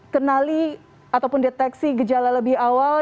kenali ataupun deteksi gejala lebih awal